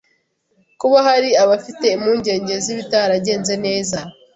Kuba hari abafite impungenge z’ibitaragenze neza